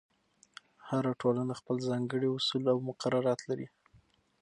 هر ټولنه خپل ځانګړي اصول او مقررات لري.